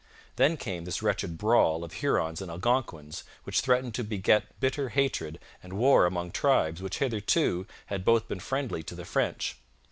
Then came this wretched brawl of Hurons and Algonquins, which threatened to beget bitter hatred and war among tribes which hitherto had both been friendly to the French.